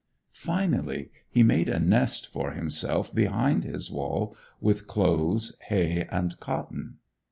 Finally, he made a nest for himself behind his wall with clothes, hay, and cotton.